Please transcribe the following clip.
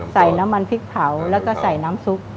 ใส่น้ำมันพริกเผาแล้วก็ใส่น้ำซุป